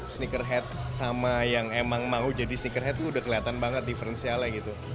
sneakerhead sama yang emang mau jadi sneakerhead itu udah kelihatan banget diferensialnya gitu